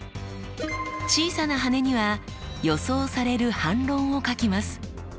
小さな羽には予想される反論を書きます。